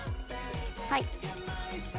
はい。